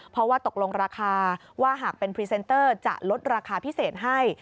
เพราะว่าตกลงราคาว่าหากเป็นพรีเซนเตอร์จะลดราคาพิเศษให้